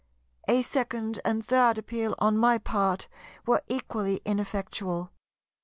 A second and third appeal on my part were equally ineffectual.